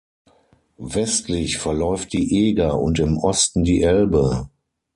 Westlich verläuft die Eger und im Osten die Elbe.